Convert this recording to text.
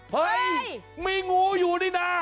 เฮ้ยมีงูอยู่นี่นะ